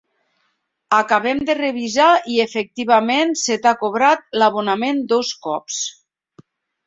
Acabem de revisar i efectivament se t'ha cobrat l'abonament dos cops.